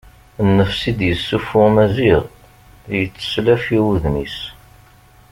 Nnefs i d-yessuffuɣ Maziɣ yetteslaf i wudem-is.